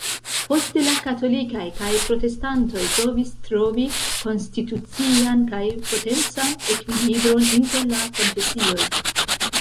Poste la katolikaj kaj protestantoj provis trovi konstitucian kaj potencan ekvilibron inter la konfesioj.